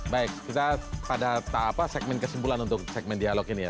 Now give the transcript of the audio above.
baik kita pada segmen kesimpulan untuk segmen dialog ini ya